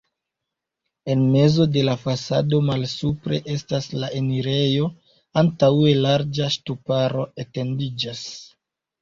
En mezo de la fasado malsupre estas la enirejo, antaŭe larĝa ŝtuparo etendiĝas.